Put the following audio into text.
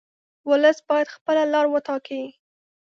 ولس باید خپله لار وټاکي.